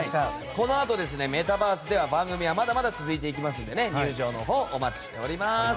このあと、メタバースでは番組はまだまだ続いていきますので入場のほうお待ちしております。